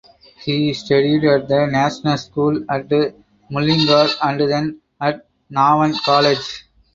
He studied at the National School at Mullingar and then at Navan College.